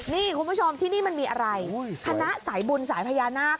นี่คุณผู้ชมที่นี่มันมีอะไรชนะสายบุญสายพญานาค